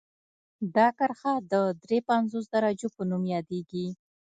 دا کرښه د دري پنځوس درجو په نوم یادیږي